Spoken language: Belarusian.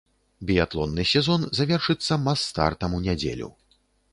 Біятлонны сезон завершыцца мас-стартам у нядзелю.